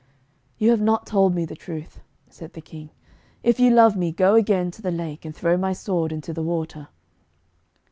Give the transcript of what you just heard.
'You have not told me the truth,' said the King. 'If you love me, go again to the lake, and throw my sword into the water.'